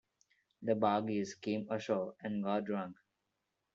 The bargees came ashore and got drunk.